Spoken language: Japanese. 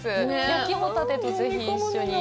焼きホタテとぜひ一緒に。